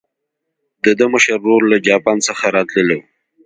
د ده مشر ورور له جاپان څخه راتللو.